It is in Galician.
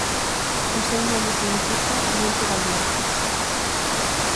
O seu nome significa "Monte da Morte".